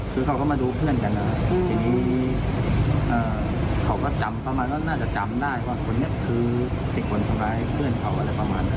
คือเขาก็มาดูเพื่อนกันนะครับทีนี้เขาก็จำเข้ามาก็น่าจะจำได้ว่าคนนี้คือไอ้คนทำร้ายเพื่อนเขาอะไรประมาณนั้น